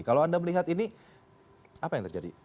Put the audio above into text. kalau anda melihat ini apa yang terjadi